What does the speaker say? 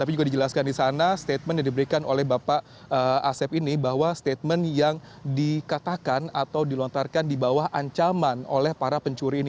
tapi juga dijelaskan di sana statement yang diberikan oleh bapak asep ini bahwa statement yang dikatakan atau dilontarkan di bawah ancaman oleh para pencuri ini